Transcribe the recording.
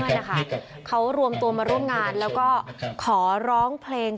นะคะเขารวมมาร่วมงานแล้วก็ขอร้องเพลง